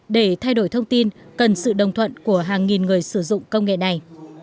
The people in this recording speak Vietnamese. để thay đổi thông tin cần sự đồng thuận của hàng nghìn người sử dụng công nghệ này